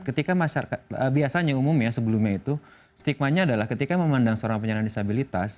ketika masyarakat biasanya umumnya sebelumnya itu stikmanya adalah ketika memandang seorang penyandang disabilitas